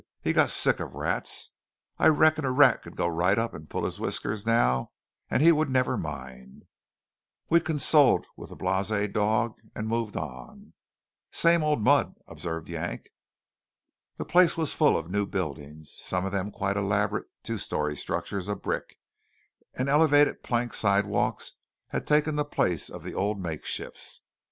he got sick of rats. I reckon a rat could go right up and pull his whiskers now, and he'd never mind." We condoled with the blasé dog, and moved on. "Same old mud," observed Yank. The place was full of new buildings, some of them quite elaborate two story structures of brick; and elevated plank sidewalks had taken the place of the old makeshifts.